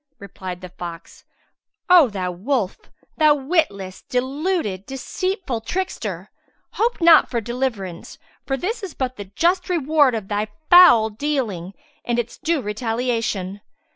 Replied the fox, "O thou wolf, thou witless, deluded, deceitful trickster! hope not for deliverance, for this is but the just reward of thy foul dealing and its due retaliation."